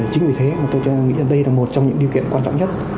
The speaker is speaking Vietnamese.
chính vì thế mà tôi nghĩ đây là một trong những điều kiện quan trọng nhất